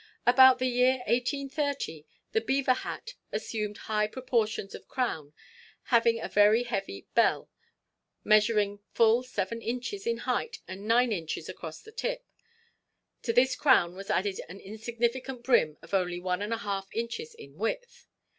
About the year 1830 the beaver hat assumed huge proportions of crown, having a very heavy "bell," measuring full seven inches in height and nine inches across the tip; to this crown was added an insignificant brim of only one and a half inches in width.